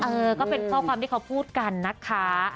เออก็เป็นข้อความที่เขาพูดกันนะคะ